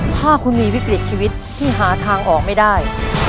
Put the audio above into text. ถ้าคุณมีวิกฤตชีวิตที่หาทางออกไม่ได้